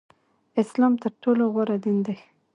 اسلام تر ټولو غوره دین دی